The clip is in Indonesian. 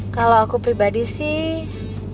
kalau aku pribadi sih